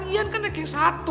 ian kan ranking satu